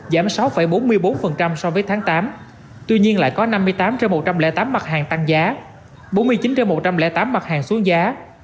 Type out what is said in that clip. giảm sáu bốn mươi bốn so với tháng tám tuy nhiên lại có năm mươi tám trên một trăm linh tám mặt hàng tăng giá bốn mươi chín trên một trăm linh tám mặt hàng xuống giá